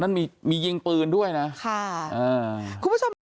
นั่นมีเย็งปืนด้วยนะค่ะคุณผู้ชม